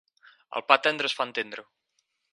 El pa tendre es fa entendre.